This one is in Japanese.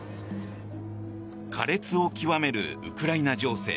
苛烈を極めるウクライナ情勢。